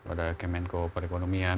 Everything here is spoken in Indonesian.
kepada kemenko perekonomian